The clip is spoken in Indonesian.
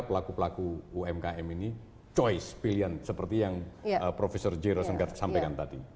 pelaku pelaku umkm ini pilihan pilihan seperti yang prof j resenggara sampaikan tadi